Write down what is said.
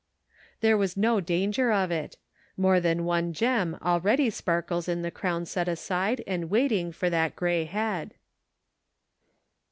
There was no danger of it. More than one gem already sparkles in the crown set aside and waiting for that gray head.